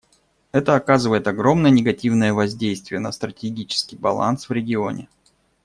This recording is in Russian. Это оказывает огромное негативное воздействие на стратегический баланс в регионе.